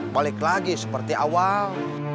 balik lagi seperti awal